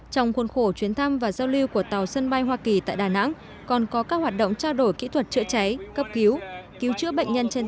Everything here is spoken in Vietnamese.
trong khuôn khổ chuyến thăm và giao lưu tại đà nẵng chỉ huy và thủy thủ tàu sân bay mỹ uss carl vinson đã đến thăm tham gia các hoạt động giao lưu tại đà nẵng